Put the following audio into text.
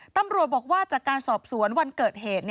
ตำรวจบอกว่าจากการสอบสวนวันเกิดเหตุ